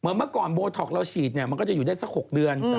เมื่อก่อนโบท็อกเราฉีดเนี่ยมันก็จะอยู่ได้สัก๖เดือน